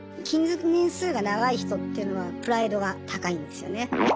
勤続年数が長い人っていうのはプライドが高いんですよね。